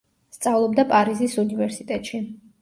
სწავლობდა პარიზის უნივერსიტეტში.